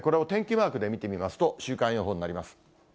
マークで見てみますと、週間予報になります。